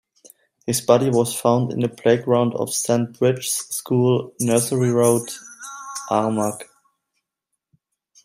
His body was found in the playground of Saint Brigid's School, Nursery Road, Armagh.